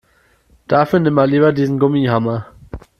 Dafür nimm mal lieber diesen Gummihammer.